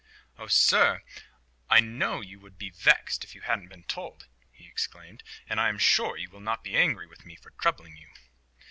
"Oh, sir, I know you would be vexed if you hadn't been told," he exclaimed, "and I am sure you will not be angry with me for troubling you."